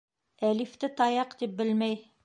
Әлифте таяҡ тип белмәй.